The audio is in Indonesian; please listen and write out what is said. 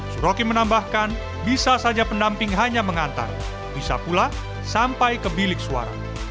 suroki menambahkan bisa saja pendamping hanya mengantar bisa pula sampai ke bilik suara